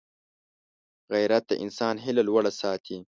غیرت د انسان هیله لوړه ساتي